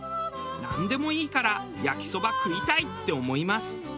なんでもいいから焼きそば食いたいって思います。